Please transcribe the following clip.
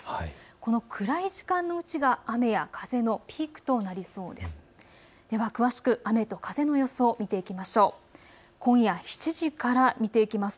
この暗い時間のうちが雨や風のピークとなりそうです。